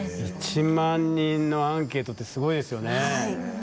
１万人のアンケートってすごいですよね。